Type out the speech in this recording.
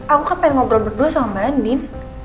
aku kan pengen ngobrol berdua sama mbak nin